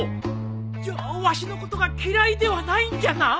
じゃあわしのことが嫌いではないんじゃな？